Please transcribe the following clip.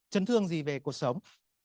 chấn thương gì về cuộc sống